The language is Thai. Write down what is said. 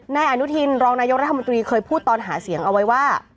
นายอนุทินรองนายกรัฐมนตรีเคยพูดตอนหาเสียงเอาไว้ว่า